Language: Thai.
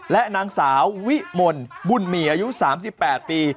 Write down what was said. และนางสาววิมลบุญมีอายุ๓๘ปี